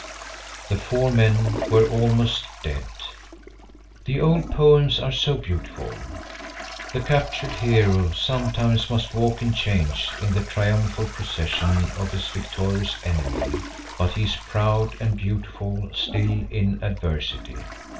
The four men were almost dead. The old poems are so beautiful. The captured hero sometimes must walk in chains in the triumphal procession of his victorious enemy. But he is proud and beautiful still in adversity.